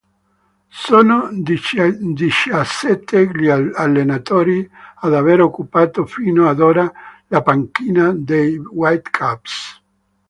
Sono diciassette gli allenatori ad aver occupato fino ad ora la panchina dei Whitecaps.